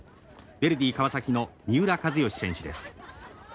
ヴェルディ川崎の三浦知良選手です。